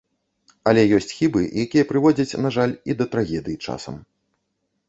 Але ёсць хібы, якія прыводзяць, на жаль, і да трагедый часам.